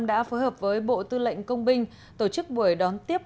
đã phối hợp với bộ tư lệnh công binh tổ chức buổi đón tiếp